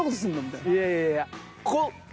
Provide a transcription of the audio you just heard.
いやいやいやいや。